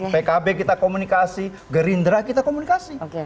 pkb kita komunikasi gerindra kita komunikasi